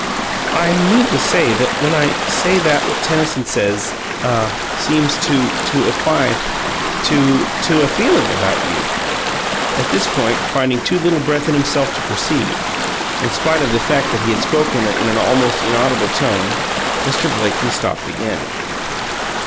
"I mean to say that when I say that what Tennyson says ah seems to to apply to to a feeling about you " At this point, finding too little breath in himself to proceed, in spite of the fact that he had spoken in an almost inaudible tone, Mr. Blakely stopped again.